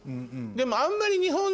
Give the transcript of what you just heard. でもあんまり。